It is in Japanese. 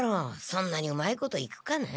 そんなにうまいこといくかな？